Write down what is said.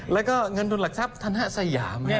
แล้วก็เงินทุนหลักทรัพย์ธนสยาม